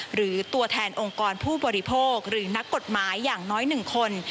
หรือตัวแทนองค์กรผู้บริโภคหรือนักกฎหมายอย่างน้อย๑คน